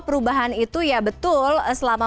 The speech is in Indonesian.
perubahan itu ya betul selama